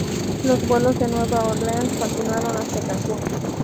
Los vuelos de Nueva Orleans continuaron hacia Cancún.